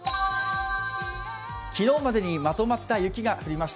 昨日までにまとまった雪が降りました。